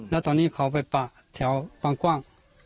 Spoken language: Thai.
แล้วตอนนี้เขาไปปะแถวบางกว้าง